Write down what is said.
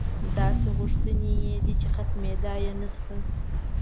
داسې غوښتنې یې دي چې ختمېدا یې نشته.